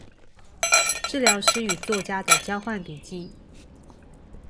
治療師與作家的交換筆記